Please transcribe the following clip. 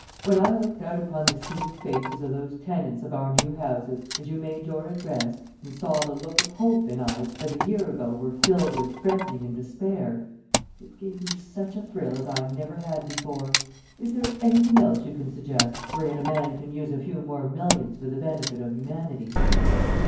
When I looked out upon the sea of faces of those tenants of our new houses, as you made your address, and saw the look of hope in eyes that a year ago were filled with threatening and despair, it gave me such a thrill as I never had before. Is there anything else you can suggest wherein a man can use a few more millions for the benefit of humanity?"